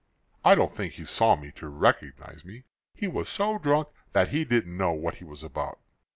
"I don't think he saw me to recognize me. He was so drunk that he didn't know what he was about.